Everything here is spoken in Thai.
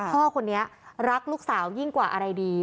พ่อคนนี้รักลูกสาวยิ่งกว่าอะไรดี